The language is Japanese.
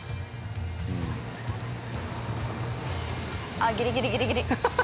あっギリギリギリギリ！